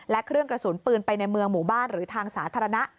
และเครื่องกระสุนปืนไปในเมืองหมู่บ้านหรือทางสาธารณะ